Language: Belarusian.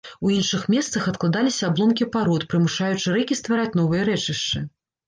У іншых месцах адкладаліся абломкі парод, прымушаючы рэкі ствараць новыя рэчышчы.